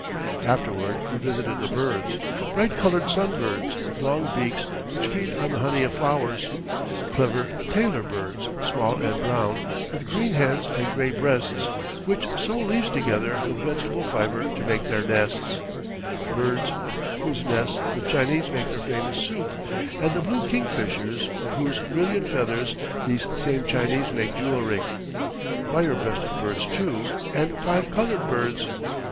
Afterward we visited the birds. Bright coloured sun birds, with long beaks, which feed on the honey of flowers; clever tailor birds, small and brown, with green heads and gray breasts, which sew leaves together with vegetable fiber to make their nests; birds of whose nests the Chinese make their famous soup, and the blue kingfishers, of whose brilliant feathers these same Chinese make jewelry; fire breasted birds, too, and five coloured birds.